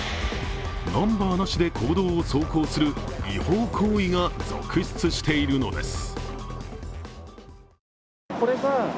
ナンバーなしで公道を走行する違法行為が続出しているのです。